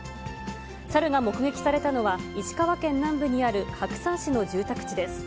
サルが目撃されたのは石川県南部にある白山市の住宅地です。